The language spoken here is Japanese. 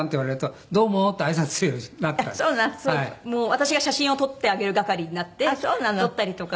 私が写真を撮ってあげる係になって撮ったりとか。